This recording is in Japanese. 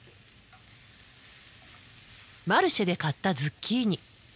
マルシェで買ったズッキーニ。